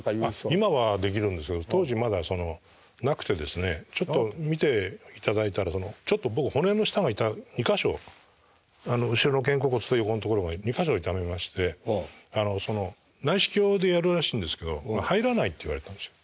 今はできるんですけど当時まだそのなくてですねちょっと診ていただいたらちょっと僕骨の下２か所後ろの肩甲骨と横の所が２か所痛めまして内視鏡でやるらしいんですけど入らないって言われたんですよ。